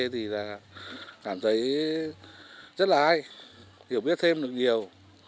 thì là cảm thấy rất là hay hiểu biết thêm được nhiều